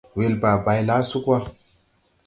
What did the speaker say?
Welba bay laa sug wa.